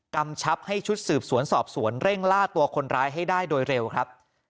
กำชับให้ชุดสืบสวนสอบสวนเร่งล่าตัวคนร้ายให้ได้โดยเร็วครับ